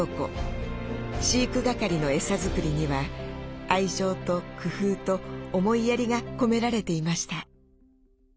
飼育係のエサ作りには愛情と工夫と思いやりが込められていました。